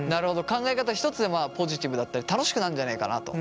考え方一つでポジティブだったり楽しくなるんじゃないかなと。